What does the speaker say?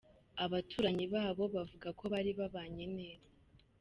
Abaturanyi babo bavuga ko bari babanye neza.